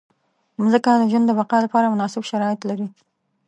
مځکه د ژوند د بقا لپاره مناسب شرایط لري.